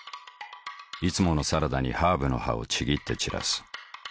いつものサラダにハーブの葉をちぎって散らす。